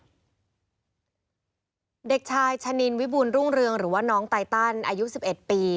เด็กชายชะนินวิบูรรุ่งเรืองหรือว่าน้องไตตันอายุ๑๑ปี